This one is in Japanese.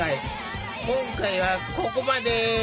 今回はここまで。